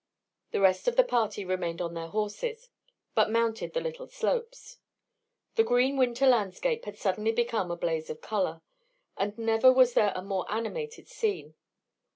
The rest of the party remained on their horses, but mounted the little slopes. The green winter landscape had suddenly become a blaze of colour, and never was there a more animated scene.